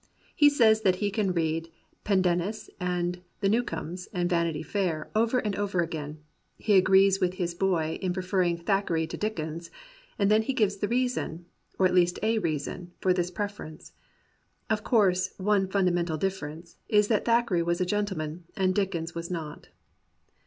He says that he can read Pendennisy and The Newcomes, and Vanity Fair over and over again; he agrees with his boy in pre ferring Thackeray to Dickens, and then he gives the reason — or at least a reason — ^for this preference : "Of course one fundamental difference ... is that Thackeray was a gentleman and Dickens was not."